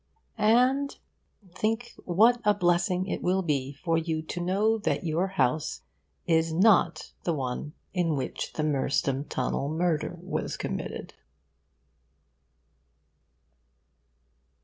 And think what a blessing it will be for you to know that your house is not the one in which the Merstham Tunnel murder was committed.